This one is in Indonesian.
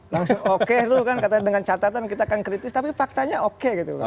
langsung oke lu kan katanya dengan catatan kita akan kritis tapi faktanya oke gitu loh